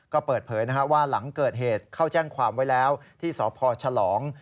ก็เปิดเผยว่าหลังเกิดเหตุเข้าแจ้งความไว้แล้วที่สพฉลอง